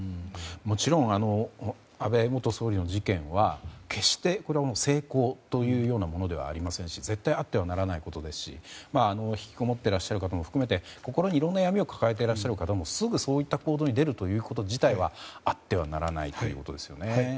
もちろん安倍元総理の事件は決して、これは成功というようなものではありませんし絶対にあってはならないことですし引きこもっていらっしゃる方も含めて心に悩みを抱えている人もすぐそういう行動に出るのはあってはならないということですよね。